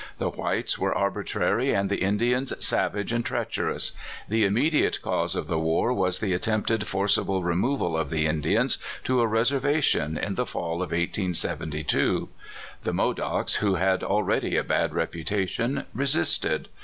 The whites were arbi tiary, and the Indians savage and treacherous. The inmiediate cause of the war was the attempted f ircible removal of the Indians to a ] eservation, in tlie fall of 1872. The Modocs, who had already a bad reputation, resisted.